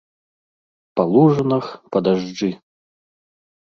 Па лужынах, па дажджы.